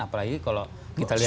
apalagi kalau kita lihat